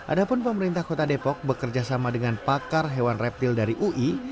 adapun pemerintah kota depok bekerjasama dengan pakar hewan reptil dari ui